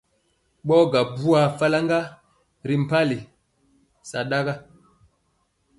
Ɓɔɔ gaŋ bwaa faraŋga ri mpali sataga.